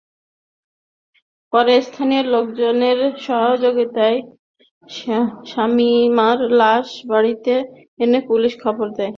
পরে স্থানীয় লোকজনের সহায়তায় শামিমার লাশ বাড়িতে এনে পুলিশে খবর দেওয়া হয়।